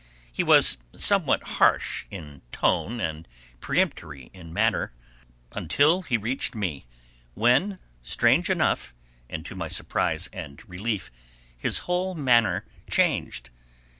He was somewhat harsh in tome and peremptory in manner until he reached me, when, strange enough, and to my surprise and relief, his whole manner changed.